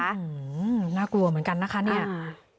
อืมน่ากลัวเหมือนกันนะคะเนี่ย